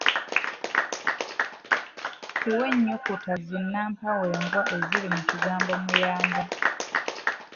Tuwe ennyukuta zinnampawengwa eziri mu kigambo muyamba.